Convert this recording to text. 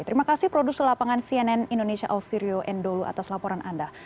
terima kasih produser lapangan cnn indonesia ausirio endolu atas laporan anda